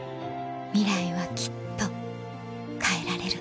ミライはきっと変えられる